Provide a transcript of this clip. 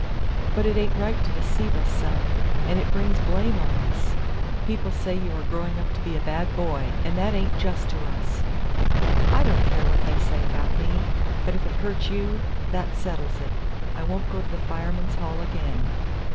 "But it ain't right to deceive us, son, and it brings blame on us. People say you are growing up to be a bad boy, and that ain't just to us." "I don't care what they say about me, but if it hurts you, that settles it. I won't go to the Firemen's Hall again."